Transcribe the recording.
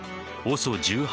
ＯＳＯ１８。